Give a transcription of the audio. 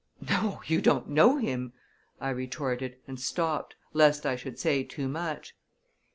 "No; you don't know him!" I retorted, and stopped, lest I should say too much.